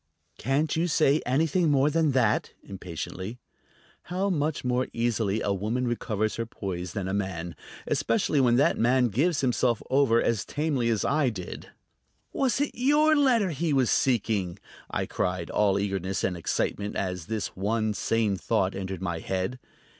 "Can't you say anything more than that?" impatiently. How much more easily a woman recovers her poise than a man, especially when that man gives himself over as tamely as I did! "Was it your letter he was seeking?" I cried, all eagerness and excitement as this one sane thought entered my head.